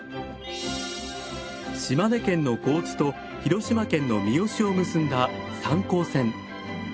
島根県の江津と広島県の三次を結んだ三江線。